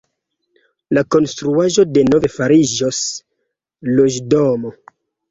La konstruaĵo denove fariĝos loĝdomo.